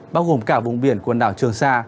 bao gồm cả vùng biển quần đảo trường sa